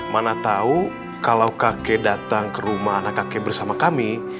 mana tahu kalau kakek datang ke rumah anak kakek bersama kami